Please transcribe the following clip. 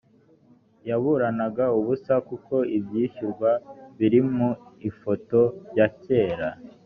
yburanaga ubusa kuko ibyishyurwa biri mu ifoto ya kera